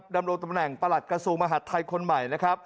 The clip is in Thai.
ดำรงตำแหน่งประหลัดกระทรวงมหาดไทยคนใหม่นะครับ